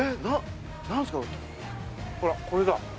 ほらこれだ。